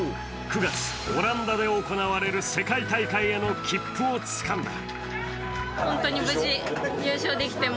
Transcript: ９月、オランダで行われる世界大会への切符をつかんだ。